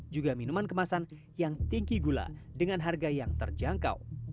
juga minuman kemasan yang tinggi gula dengan harga yang terjangkau